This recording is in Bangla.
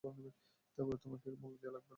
তাই বলে তোমাকেও এর মূল্য দেয়া লাগবে না।